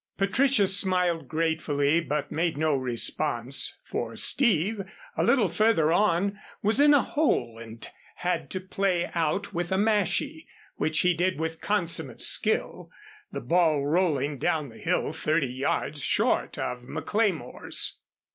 Patricia smiled gratefully, but made no response, for Steve, a little further on, was in a hole and had to play out with a mashie, which he did with consummate skill, the ball rolling down the hill thirty yards short of McLemore's.